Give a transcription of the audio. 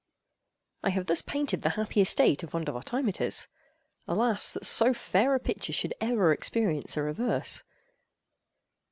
I have thus painted the happy estate of Vondervotteimittiss: alas, that so fair a picture should ever experience a reverse!